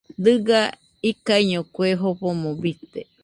Diga ikaiño kue jofomo bite